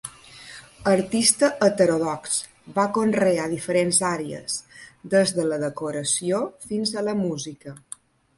Artista heterodox, va conrear diferents àrees, des de la decoració fins a la música.